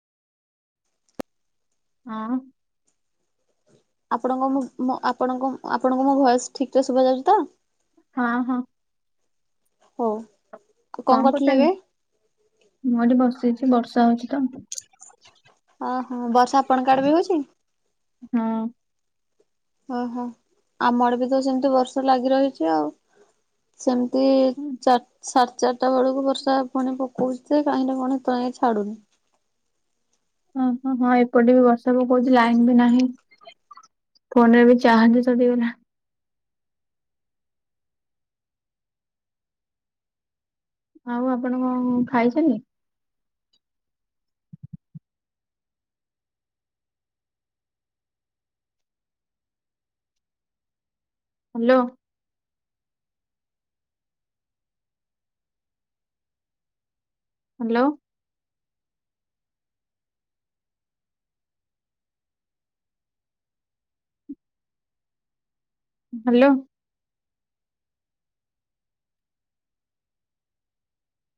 ଅଁ? ଆପଣଙ୍କ ମୋ ମୋ ଆପଣଙ୍କ ଆପଣଙ୍କୁ ମୋ ଭଏସ ଠିକ ରେ ଶୁଭାଯାଉଚି ତ? ହଁ ହଁ ହଉ ଆଉ କଣ କରୁଥିଲେ କରୁଚନ୍ତି? ଏବେ? ମୁଁ ଏଠି ବସିଚି ବର୍ଷା ହଉଚି ତ। ଓ ହଁ ବର୍ଷା ଆପଣଙ୍କ ଆଡ଼େ ବି ହଉଚି? ହଁ। ଓହୋ ଆମ ଆଡ଼େ ବି ତ ସେମତି ବର୍ଷା ଲାଗି ରହିଚି ଆଉ। ସେମ୍ ମିତି ଚା ସାଢେ ଚାରିଟା ବେଳକୁ ବର୍ଷା ପୁଣି ପକଉଚି ଯେ କାହିଁକି ରେ କଣ ଏତେବେଳେ ଯାଏ ଛାଡୁନି। ହଁ ହଁ ହଁ ଏପଟେ ବି ବର୍ଷା ପକଉଚି ଲାଇନ ବି ନାହିଁ। ଫୋନ ରେ ବି ଚାହର୍ଜ ସରିଗଲା। ଆଉ ଆପଣ କଣ ଖାଇଚନ୍ତି? ହ୍ୟାଲୋ। ହ୍ୟାଲୋ। ହ୍ୟାଲୋ।